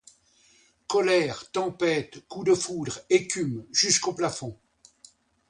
Colère, tempête, coups de foudre, écume jusqu'au plafond.